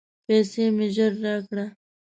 پیسې مي ژر راکړه !